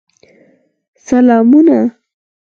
سلامونه.